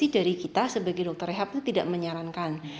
dari kita sebagai dokter rehab itu tidak menyarankan